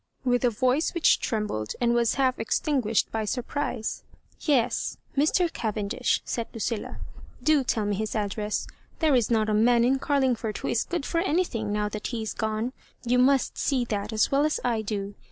" with a voice which trembled, and was half extinguished by surprise. "Yes; Mr. Cavendish," said LucUla. "Do tell me his address. There is not a man in Car lingford who is good for anything, now that he is gone. You must see that as well as I do.